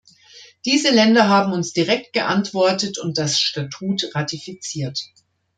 Diese Länder haben uns direkt geantwortet und das Statut ratifiziert.